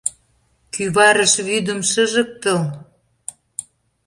Кӱварыш вӱдым шыжыктыл!..